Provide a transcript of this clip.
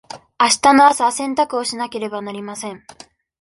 あしたの朝洗濯をしなければなりません。